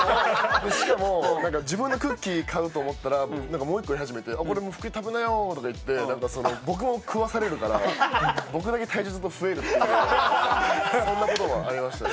しかも、自分のクッキー買うと思ったら、もう１個入れ始めて、「福井、食べなよ」とか言って、僕も食わされるから、僕だけ体重ずっと増えるという、そんなこともありましたね。